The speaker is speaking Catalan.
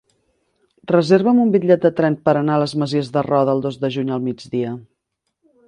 Reserva'm un bitllet de tren per anar a les Masies de Roda el dos de juny al migdia.